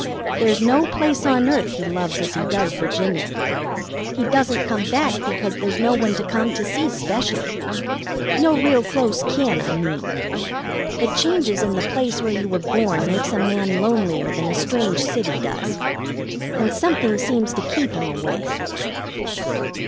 There's no place on earth he loves as he does Virginia. He doesn't come back because there's no one to come to see specially. No real close kin, I mean. The changes in the place where you were born make a man lonelier than a strange city does, and something seems to keep him away."